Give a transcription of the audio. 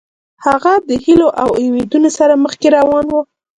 هغه د هیلو او امیدونو سره مخکې روان و.